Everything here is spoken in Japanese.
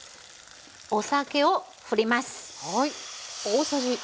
お酒を振ります。